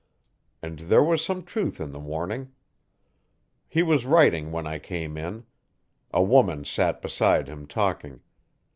And there was some truth in the warning. He was writing when I came in. A woman sat beside him talking.